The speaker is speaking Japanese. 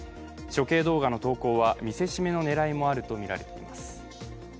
処刑動画の投稿は見せしめの狙いもあるとみられています。